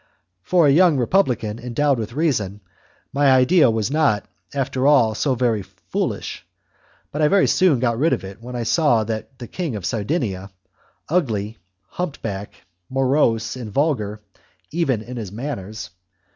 For a young Republican endowed with reason, my idea was not, after all, so very foolish, but I very soon got rid of it when I saw that King of Sardinia, ugly, hump backed, morose and vulgar even in his manners.